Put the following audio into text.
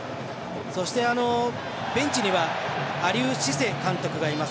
そして、ベンチにはアリウ・シセ監督がいます。